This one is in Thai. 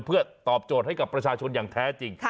เพื่อตอบโจทย์ให้กับประชาชนอย่างแท้จริง